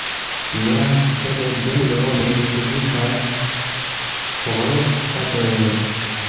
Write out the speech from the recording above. ن٘ا اے دے گینُو نہ اونگمی چُھو گیکھہ فوغنگ ہلتسے اون٘ید